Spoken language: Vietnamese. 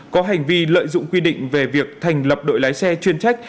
có hành vi lợi dụng quy định về việc thành lập đội lái xe chuyên trách